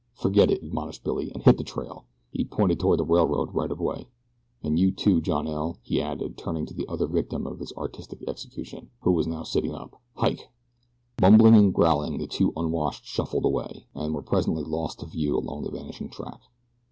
"Ferget it," admonished Billy, "an' hit the trail." He pointed toward the railroad right of way. "An' you, too, John L," he added turning to the other victim of his artistic execution, who was now sitting up. "Hike!" Mumbling and growling the two unwashed shuffled away, and were presently lost to view along the vanishing track.